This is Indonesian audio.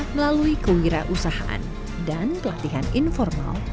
melalui kewirausahaan dan pelatihan informal